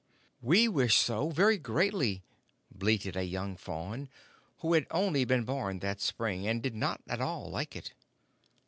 "We wish so, very greatly," bleated a young fawn, who had only been born that spring, and did not at all like it.